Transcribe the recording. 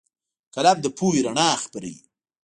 قلم د پوهې رڼا خپروي